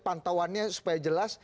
pantauannya supaya jelas